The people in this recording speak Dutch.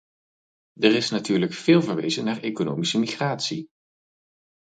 Er is natuurlijk veel verwezen naar economische migratie.